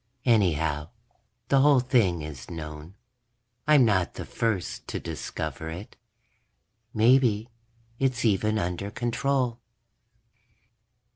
Anyhow, the whole thing is known; I'm not the first to discover it. Maybe it's even under control.